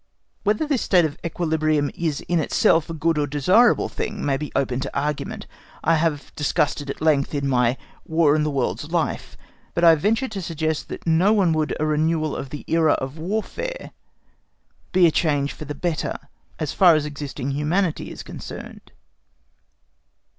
_ Whether this state of equilibrium is in itself a good or desirable thing may be open to argument. I have discussed it at length in my "War and the World's Life"; but I venture to suggest that to no one would a renewal of the era of warfare be a change for the better, as far as existing humanity is concerned.